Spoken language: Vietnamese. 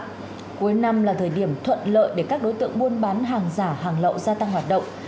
cuối năm là thời điểm thuận lợi để các đối tượng buôn bán hàng giả hàng lậu gia tăng hoạt động